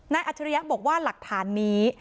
อัจฉริยะบอกว่าหลักฐานนี้